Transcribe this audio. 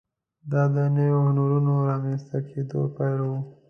دا د نویو هنرونو د رامنځته کېدو پیل و.